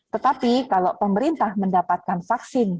tetapi kalau pemerintah mendapatkan vaksin